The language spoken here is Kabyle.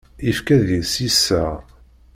Yekfa deg-s yiseɣ.